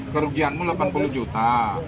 kerugianmu delapan puluh juta hutangmu lima belas juta